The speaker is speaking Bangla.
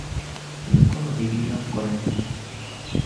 তিনি কোন ডিগ্রি লাভ করেননি।